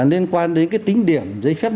liên quan đến cái tính điểm giấy phép